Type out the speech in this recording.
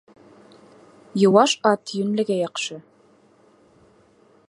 Йыуаш ат йүнләүгә яҡшы.